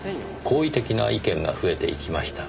好意的な意見が増えていきました。